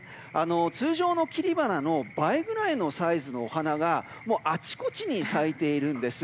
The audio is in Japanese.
通常の切り花の倍ぐらいのサイズのお花があちこちに咲いているんです。